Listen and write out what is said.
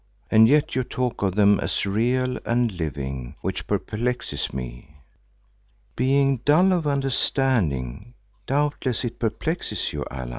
And yet you talk of them as real and living, which perplexes me." "Being dull of understanding doubtless it perplexes you, Allan.